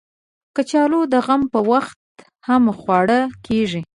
کچالو د غم پر وخت هم خواړه کېږي